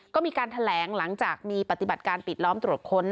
ก็มีการแถลงหลังจากมีปฏิบัติการปิดล้อมตรวจค้น